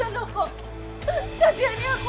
mas mas handoko